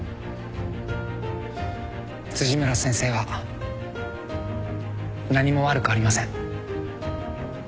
辻村先生は何も悪くありません。